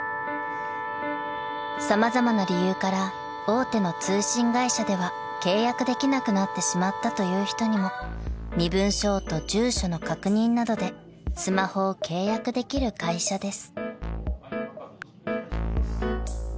［様々な理由から大手の通信会社では契約できなくなってしまったという人にも身分証と住所の確認などでスマホを契約できる会社です］